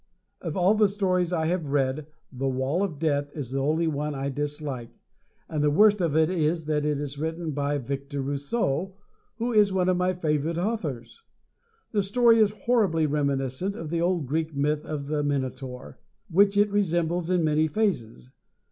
Of all the stories I have read, "The Wall of Death" is the only one I dislike; and the worst of it is that it was written by Victor Rousseau, who is one of my favorite authors. The story is horribly reminiscent of the old Greek myth of the Minotaur, which it resembles in many phases.